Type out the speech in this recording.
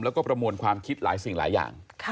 และกลมวนความคิดหลายสิ่งหลายอย่าง